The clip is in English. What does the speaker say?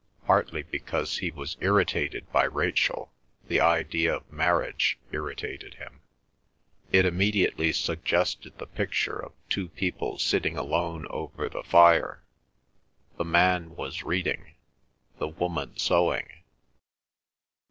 Partly because he was irritated by Rachel the idea of marriage irritated him. It immediately suggested the picture of two people sitting alone over the fire; the man was reading, the woman sewing.